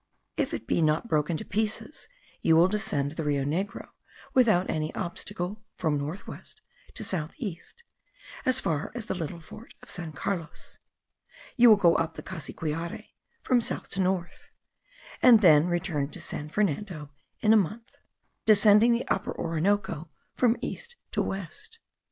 If it be not broken to pieces you will descend the Rio Negro without any obstacle (from north west to south east) as far as the little fort of San Carlos; you will go up the Cassiquiare (from south to north), and then return to San Fernando in a month, descending the Upper Orinoco from east to west."